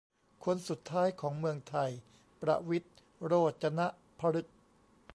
คนสุดท้ายของเมืองไทย ประวิตร โรจนพฤกษ์